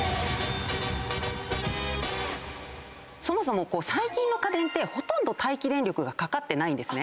そもそも最近の家電ほとんど待機電力がかかってないんです。